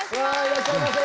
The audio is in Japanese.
いらっしゃいませ。